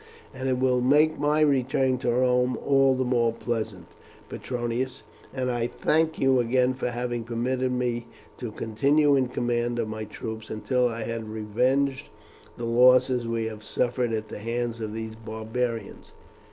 "And it will make my return to Rome all the more pleasant, Petronius, and I thank you again for having permitted me to continue in command of my troops until I had revenged the losses we have suffered at the hands of these barbarians.